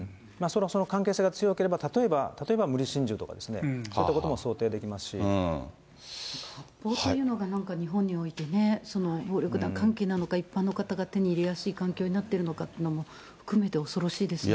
その関係性が強ければ、例えば無理心中とか、発砲というのが、なんか日本においてね、暴力団関係なのか、一般の方が手に入れやすい環境になっているのか含めて恐ろしいですね。